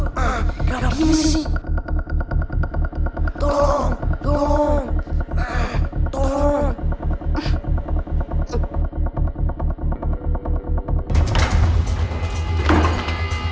tidak ada yang bisa dihukum